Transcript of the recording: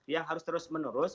yang harus terus menerus